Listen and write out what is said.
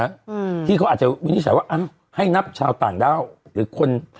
อืมที่เขาอาจจะวินิจฉัยว่าอ้าวให้นับชาวต่างด้าวหรือคน